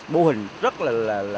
mô hình rất là